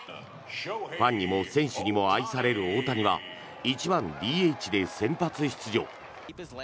ファンにも選手にも愛される大谷は１番ＤＨで先発出場。